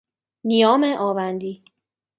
نیام آوندی